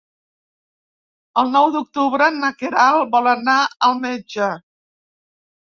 El nou d'octubre na Queralt vol anar al metge.